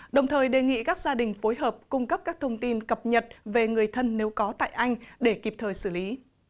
đồng thời đề nghị các gia đình phối hợp cung cấp các thông tin cập nhật về người thân nếu có tại anh để kịp thời xử lý